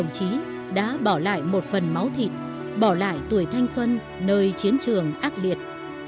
đồng chí đã bỏ lại một phần máu thịt bỏ lại tuổi thanh xuân nơi chiến trường ác liệt